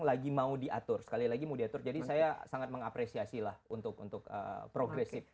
lagi mau diatur sekali lagi mau diatur jadi saya sangat mengapresiasi lah untuk untuk progresif